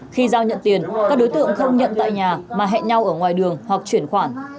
khi giao nhận tiền các đối tượng không nhận tại nhà mà hẹn nhau ở ngoài đường hoặc chuyển khoản